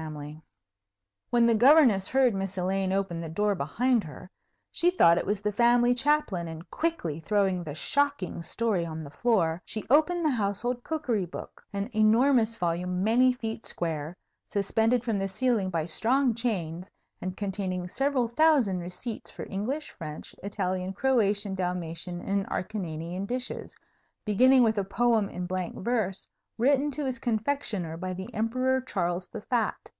[Illustration: MISTLETOE; CONSVLTETH YE COOKYNGE BOOKE] When the Governess heard Miss Elaine open the door behind her, she thought it was the family Chaplain, and, quickly throwing the shocking story on the floor, she opened the household cookery book, an enormous volume many feet square, suspended from the ceiling by strong chains, and containing several thousand receipts for English, French, Italian, Croatian, Dalmatian, and Acarnanian dishes, beginning with a poem in blank verse written to his confectioner by the Emperor Charles the Fat.